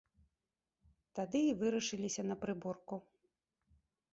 Тады і вырашыліся на прыборку.